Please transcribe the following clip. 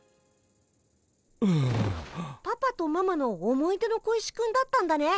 パパとママの思い出の小石くんだったんだね。